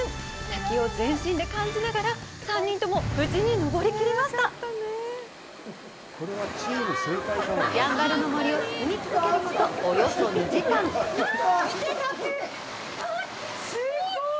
滝を全身で感じながら３人とも無事に登りきりましたやんばるの森を進み続けることおよそ２時間すごい！